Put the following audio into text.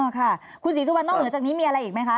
ค่ะคุณศรีสุวรรณนอกเหนือจากนี้มีอะไรอีกไหมคะ